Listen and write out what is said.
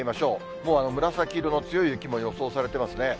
もう紫色の強い雪も予想されてますね。